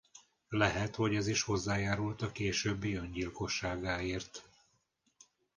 Lehet hogy ez is hozzájárult a későbbi öngyilkosságáért.